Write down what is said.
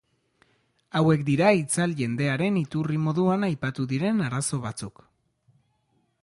Hauek dira itzal jendearen iturri moduan aipatu diren arazo batzuk.